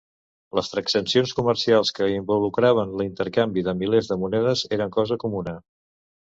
Les transaccions comercials que involucraven l'intercanvi de milers de monedes eren cosa comuna.